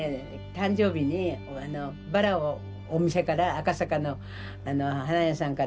誕生日にバラをお店から赤坂の花屋さんから届けてきたのねお昼。